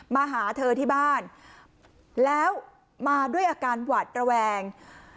มาหาเธอที่บ้านแล้วมาด้วยอาการหวัดระแวง